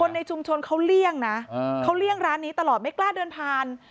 ในชุมชนเขาเลี่ยงนะเขาเลี่ยงร้านนี้ตลอดไม่กล้าเดินผ่าน